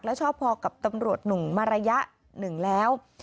แล้วชอบพอกับตำรวจหนุ่มมาระยะหนึ่งแล้ว